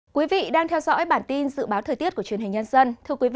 quý vị đang theo dõi bản tin dự báo thời tiết của truyền hình nhân dân